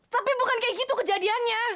tapi bukan kayak gitu kejadiannya